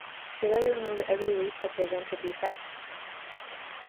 Should I remove every leaf that presents a defect?